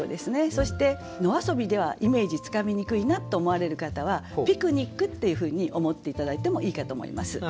そして「野遊」ではイメージつかみにくいなと思われる方は「ピクニック」っていうふうに思って頂いてもいいかと思います。